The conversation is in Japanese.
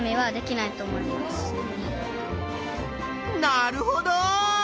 なるほど！